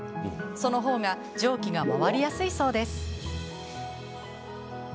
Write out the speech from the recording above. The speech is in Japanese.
その方が蒸気が回りやすいそうです。